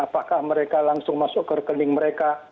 apakah mereka langsung masuk ke rekening mereka